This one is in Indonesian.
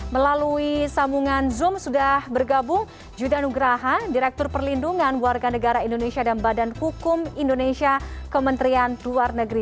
melalui sambungan zoom sudah bergabung judah nugraha direktur perlindungan warga negara indonesia dan badan hukum indonesia kementerian luar negeri